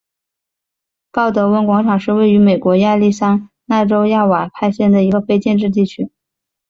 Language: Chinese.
鲍德温广场是位于美国亚利桑那州亚瓦派县的一个非建制地区。